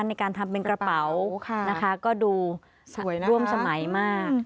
ในการทำเป็นกระเป๋านะคะก็ดูสวยร่วมสมัยมาก